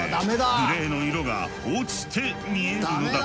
グレーの色が落ちて見えるのだ。